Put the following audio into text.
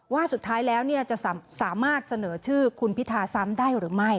ว่าสุดท้ายแล้วจะสามารถเสนอชื่อคุณพิธาซ้ำได้หรือไม่